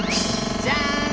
じゃん！